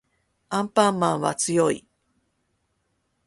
アンパンマンは強い